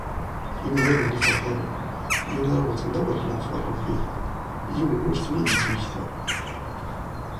Imdanen ifuḥanen, mi ara awḍen awer leɛfu n Rebbi , yiwen ur ten-id-yettmmekti.